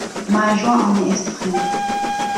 Ma joie en est extrême.